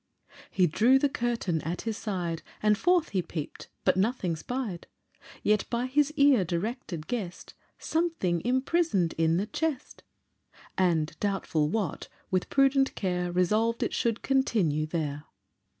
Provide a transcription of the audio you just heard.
He drew the curtain at his side, And forth he peep'd, but nothing spied. Yet, by his ear directed, guess'd Something imprison'd in the chest, And, doubtful what, with prudent care Resolved it should continue there.